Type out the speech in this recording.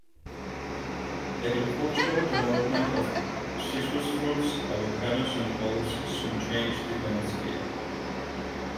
Agricultural development of citrus fruits, avocados and olives soon changed the landscape.